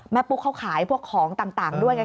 แม่ปุ๊กเขาขายพวกของต่างด้วยกันค่ะ